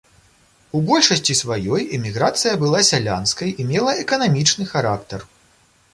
У большасці сваёй эміграцыя была сялянскай і мела эканамічны характар.